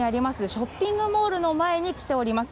ショッピングモールの前に来ております。